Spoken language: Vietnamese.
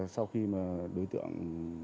sau khi đối tượng